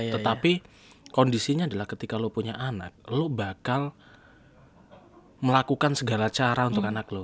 tetapi kondisinya adalah ketika lo punya anak lo bakal melakukan segala cara untuk anak lo